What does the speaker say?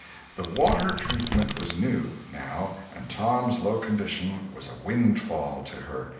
The water treatment was new, now, and Tom's low condition was a windfall to her.